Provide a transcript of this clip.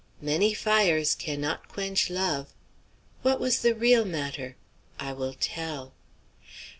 "Many fires cannot quench love;" what was the real matter? I will tell.